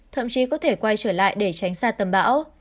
thậm chí có thể quay trở lại để tránh xa tầm bão